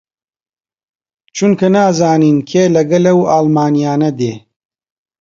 چونکە نازانین کێ لەگەڵ ئەو ئاڵمانییانە دێ